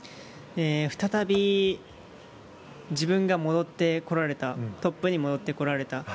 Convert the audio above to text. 再び自分が戻ってこられたトップに戻ってこられた。